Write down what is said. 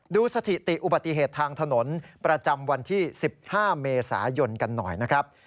สถิติอุบัติเหตุทางถนนประจำวันที่๑๕เมษายนกันหน่อยนะครับ